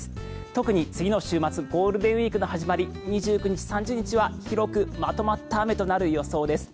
特に次の週末ゴールデンウィークの始まり２９日、３０日は広くまとまった雨となる予想です。